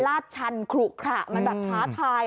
ลาดชันขลุขระมันแบบท้าทาย